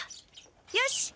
よし！